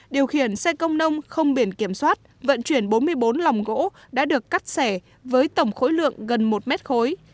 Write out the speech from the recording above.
điều khiển xe công nông không biển kiểm soát vận chuyển bốn mươi bốn lòng gỗ đã được cắt sẻ với tổng khối lượng gần một mét khối